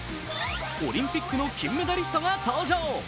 オリンピックの金メダリストが登場。